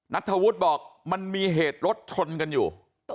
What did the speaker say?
นัทธวุฒิบอกมันมีเหตุรถชนกันอยู่